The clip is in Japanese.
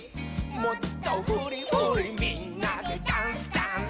「もっとフリフリみんなでダンスダンス！」